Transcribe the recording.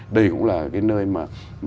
đây cũng là cái nơi mà